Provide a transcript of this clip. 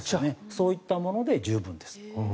そういったもので十分です。